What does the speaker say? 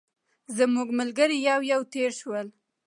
زموږ ملګري یو یو تېر شول.